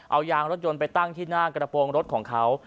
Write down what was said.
เอายางรถยนต์ไปตั้งที่หน้ากระโปรงรถของเขา